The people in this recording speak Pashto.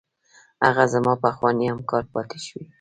هغه زما پخوانی همکار پاتې شوی.